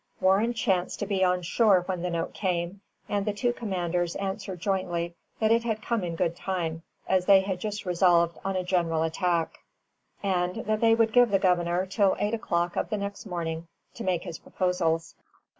] Warren chanced to be on shore when the note came; and the two commanders answered jointly that it had come in good time, as they had just resolved on a general attack, and that they would give the Governor till eight o'clock of the next morning to make his proposals.